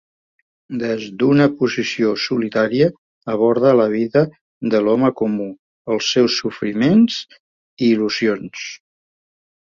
Des d'una posició solidària aborda la vida de l'home comú, els seus sofriments i il·lusions.